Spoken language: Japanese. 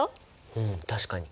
うん確かに。